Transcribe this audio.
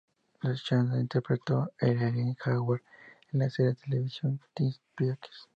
Deschanel interpretó a Eileen Hayward en la serie de televisión "Twin Peaks".